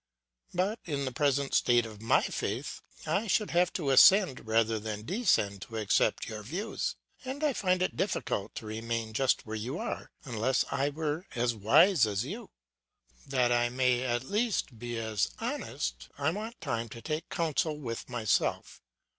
But in the present state of my faith I should have to ascend rather than descend to accept your views, and I find it difficult to remain just where you are unless I were as wise as you. That I may be at least as honest, I want time to take counsel with myself.